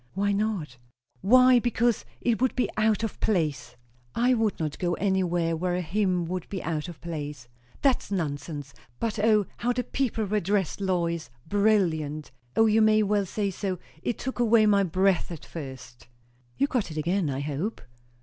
"Why not?" "Why, because! It would be out of place." "I would not go anywhere where a hymn would be out of place." "That's nonsense. But O, how the people were dressed, Lois! Brilliant! O you may well say so. It took away my breath at first" "You got it again, I hope?"